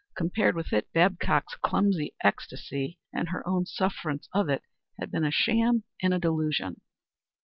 Compared with it, Babcock's clumsy ecstasy and her own sufferance of it had been a sham and a delusion.